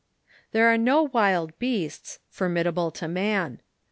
There are no wild beasts, formidable to man.